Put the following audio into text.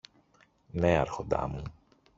Ναι, Άρχοντα μου.